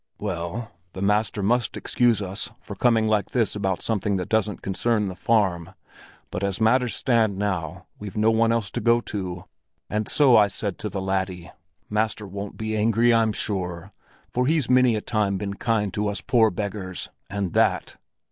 "Well—well, the master must excuse us for coming like this about something that doesn't concern the farm; but as matters now stand, we've no one else to go to, and so I said to the laddie: 'Master won't be angry, I'm sure, for he's many a time been kind to us poor beggars—and that.